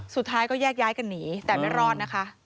สุดท้ายก็แยกย้ายกันหนีแต่ไม่รอดนะคะ